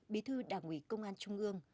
bí thư đảng ủy công an trung ương